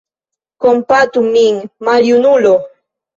Kompatu min, maljunulo!